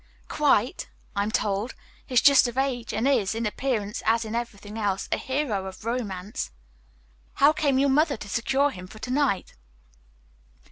"Quite, I'm told. He's just of age, and is, in appearance as in everything else, a hero of romance." "How came your mother to secure him for tonight?"